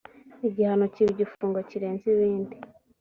igihano kiba igifungo kirenze ibindi